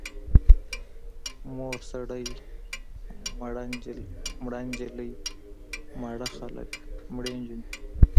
مور سړی، مړه نجلۍ، ماړه خلک، مړې نجونې.